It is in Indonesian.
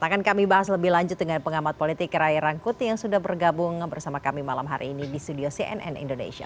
akan kami bahas lebih lanjut dengan pengamat politik ray rangkuti yang sudah bergabung bersama kami malam hari ini di studio cnn indonesia